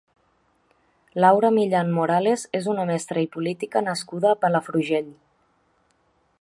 Laura Millán Morales és una mestra i política nascuda a Palafrugell.